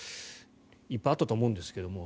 いっぱいあったと思うんですが。